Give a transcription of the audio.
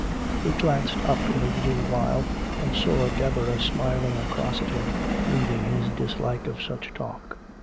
He glanced up in a little while and saw Deborah smiling across at him, reading his dislike of such talk.